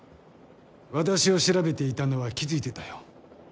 私を調べていたのは気付いてたよ。